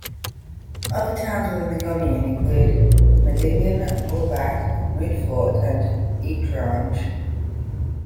Other towns within the commune include Medingen, Muhlbach, Moutfort, and Oetrange.